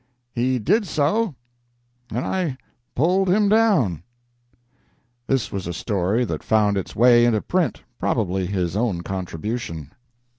He did so, and I pulled him down." This was a story that found its way into print, probably his own contribution.